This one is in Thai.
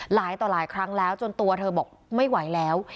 หลายต่อหลายครั้งแล้วจนตัวเธอบอกไม่ไหวแล้ว